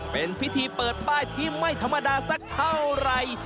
เป็นพิธีเปิดป้ายที่ไม่ธรรมดาสักเท่าไหร่